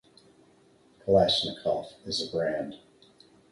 "Kalashnikov" is a brand.